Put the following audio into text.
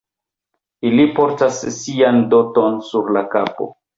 Ili portas sian doton sur la kapo.